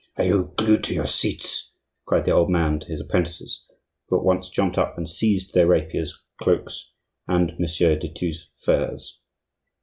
"Are you glued to your seats?" cried the old man to his apprentices, who at once jumped up and seized their rapiers, cloaks, and Monsieur de Thou's furs.